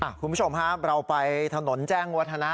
คุณผู้ชมครับเราไปถนนแจ้งวัฒนะ